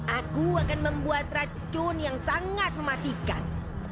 aku akan membuat racun yang sangat mematikan